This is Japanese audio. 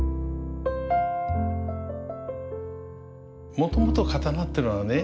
もともと刀ってのはね